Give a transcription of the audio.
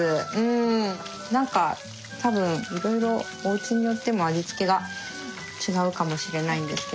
何か多分いろいろおうちによっても味付けが違うかもしれないんですけど。